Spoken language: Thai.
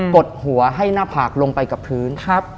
ดหัวให้หน้าผากลงไปกับพื้น